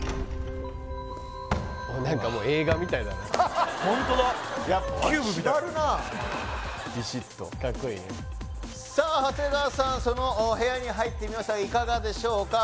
おっ何かもうホントだやっぱ締まるなビシッとかっこいいねさあ長谷川さんその部屋に入ってみましたがいかがでしょうか